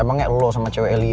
emangnya lo sama cewek putri itu